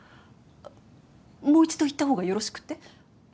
あっもう一度言った方がよろしくって？